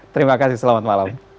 terima kasih selamat malam